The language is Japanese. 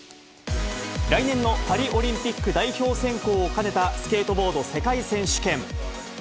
来年のパリオリンピック代表選考を兼ねた、スケートボード世界選手権。